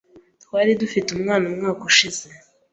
Twari dufite umwana umwaka ushize.